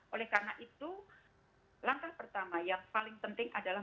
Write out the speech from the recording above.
oleh karena itu langkah pertama yang paling penting adalah